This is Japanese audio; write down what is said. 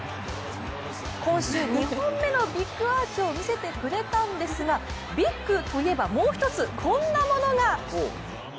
今週２本目のビッグアーチを見せてくれたんですが、ビッグといえばもう一つこんなものが。